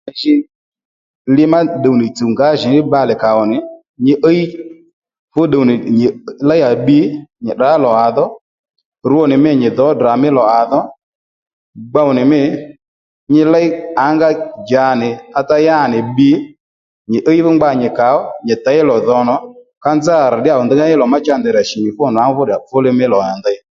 À ji li má ddùwnì tsùw ngǎjì ní bbalè kà ó nì nyi íy fú ddùw nì nyì léy à bbi nyi tdrǎ lò à dho rwo nì mî nyi dhǒ Ddrà mí lò à dho gbownì mî nyi léy ǎngá djanì á tá yânì bbi nyì íy fú ngba nyì kà ó nyì těy lò dhònò ya nzá à rr̀ ddíya ngengéy ní lò má cha ndèy rà shì nì fú nì nwǎŋó ddò fú li mí lò nì ndey